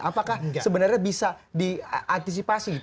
apakah sebenarnya bisa diantisipasi gitu